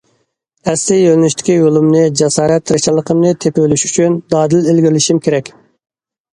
ئەسلى يۆنىلىشتىكى يولۇمنى، جاسارەت، تىرىشچانلىقىمنى تېپىۋېلىش ئۈچۈن دادىل ئىلگىرىلىشىم كېرەك.